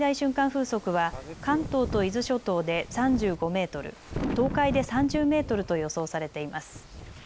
風速は関東と伊豆諸島で３５メートル、東海で３０メートルと予想されています。